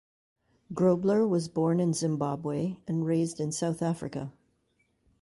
Grobler was born in Zimbabwe and raised in South Africa.